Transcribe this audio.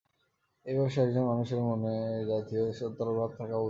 এই বয়সের একজন মানুষের মনে এ জাতীয় তরল ভাব থাকা উচিত নয়।